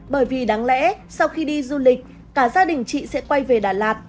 bởi vì đáng lẽ sau khi đi du lịch cả gia đình chị sẽ quay về đà lạt